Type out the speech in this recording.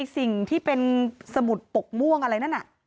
สิ่งที่เป็นสมุดปกม่วงอะไรนั่นน่ะ